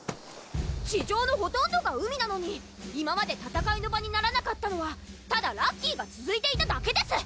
地上のほとんどが海なのに今まで戦いの場にならなかったのはただラッキーがつづいていただけです！